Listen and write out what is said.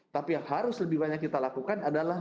tapi yang harus lebih banyak kita lakukan adalah